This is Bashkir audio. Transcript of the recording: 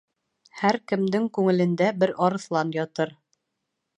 Һәр кемдең күңелендә бер арыҫлан ятыр.